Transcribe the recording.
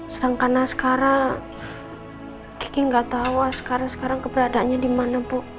sedangkan asqara gigi gak tahu asqara sekarang keberadakannya di mana bu